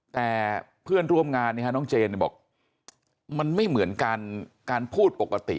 แต่เพื่อนร่วมงานน้องเจนบอกมันไม่เหมือนการพูดปกติ